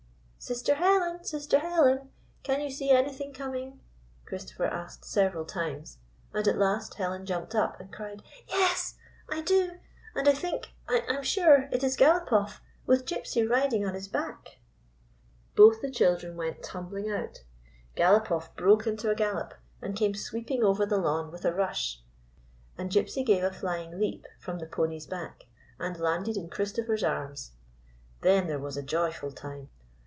" Sister Helen, Sister Helen ! Can you see anything coming ?" Christopher asked several times, and at last Helen jumped up and cried: " Yes! I do. And I think — I am sure it is Galopoff, with Gypsy riding on his back!" Both the children went tumbling out; Galop off broke into a gallop, and came sweeping over the lawn with a rush, and Gypsy gave a flying leap from the pony's back and landed in Chris topher^ arms. Then there was a joyful time.